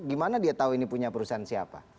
gimana dia tahu ini punya perusahaan siapa